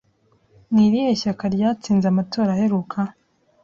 Ni irihe shyaka ryatsinze amatora aheruka?